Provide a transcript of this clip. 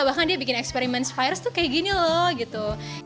bahkan dia bikin experimence virus tuh kayak gini loh gitu